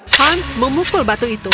hans memukul batu itu